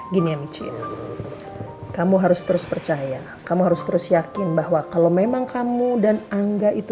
gini mc kamu harus terus percaya kamu harus terus yakin bahwa kalau memang kamu dan angga itu